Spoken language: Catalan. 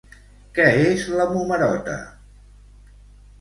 Què és la Momerota?